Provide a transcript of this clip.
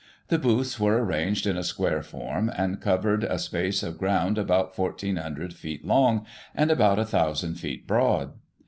The booths were arranged in a square form, and covered a space of ground about 1,400 feet long and about 1,000 feet broad.